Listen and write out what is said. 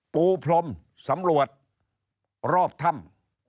ปูพรมสำรวจรอบถ้ำ